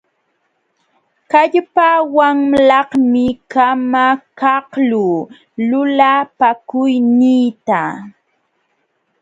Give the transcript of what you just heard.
Kallpawanlaqmi kamakaqluu lulapakuyniita.